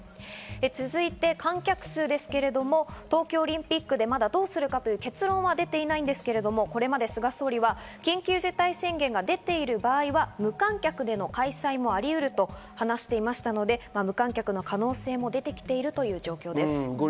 続いて観客数ですけれども、東京オリンピックでまだどうするかという結論は出ていないんですけど、これまで菅総理は緊急事態宣言が出ている場合は、無観客での開催もありうると話していましたので、無観客の可能性も出てきているという状況です。